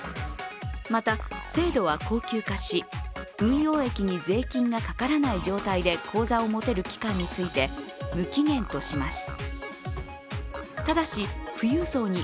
また、制度は恒久化し運用益に税金がかからない状態で口座を持てる期間について無期限とします。